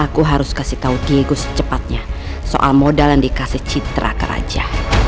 aku harus kasih tahu kiegu secepatnya soal modal yang dikasih citra ke raja